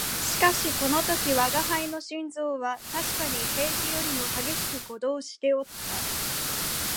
しかしこの時吾輩の心臓はたしかに平時よりも烈しく鼓動しておった